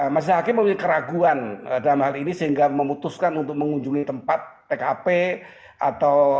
majelis hakim memiliki keraguan dalam hal ini sehingga memutuskan untuk mengunjungi tempat tkp atau